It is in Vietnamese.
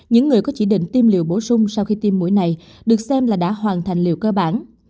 những người có chỉ định tiêm liều bổ sung sau khi tiêm mũi này được xem là đã hoàn thành liệu cơ bản